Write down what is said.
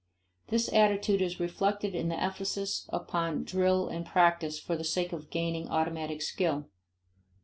This attitude is reflected in the emphasis put upon drill and practice for the sake of gaining automatic skill.